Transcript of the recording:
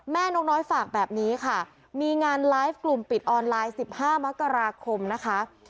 นกน้อยฝากแบบนี้ค่ะมีงานไลฟ์กลุ่มปิดออนไลน์๑๕มกราคมนะคะ